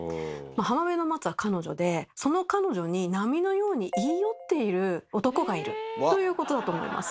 浜辺の松は彼女でその彼女に波のように言い寄っている男がいるということだと思います。